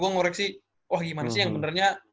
gue ngoreksi wah gimana sih yang benernya